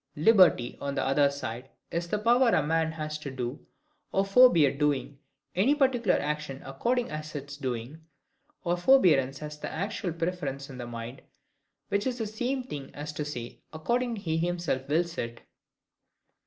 LIBERTY, on the other side, is the power a MAN has to do or forbear doing any particular action according as its doing or forbearance has the actual preference in the mind; which is the same thing as to say, according as he himself wills it.